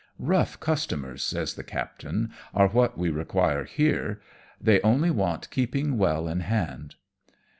" Rough customers," says the captain, " are what we require here ; they only want keeping well in hand."